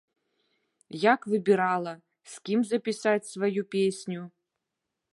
Як выбірала, з кім запісаць сваю песню?